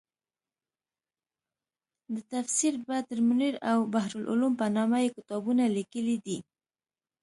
د تفسیر بدرمنیر او بحرالعلوم په نامه یې کتابونه لیکلي دي.